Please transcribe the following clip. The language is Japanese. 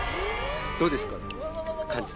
どうですか？